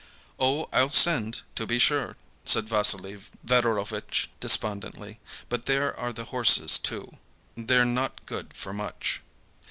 "Oh, I'll send, to be sure," said Vassily Fedorovitch despondently. "But there are the horses, too, they're not good for much."